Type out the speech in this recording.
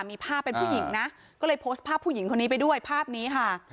มีภาพเป็นผู้หญิงนะก็เลยโพสต์ภาพผู้หญิงคนนี้ไปด้วยภาพนี้ค่ะ